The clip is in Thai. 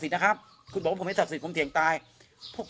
นะครับคุณบอกว่าผมไม่ศักดิ์สิทธิผมเถียงตายพวก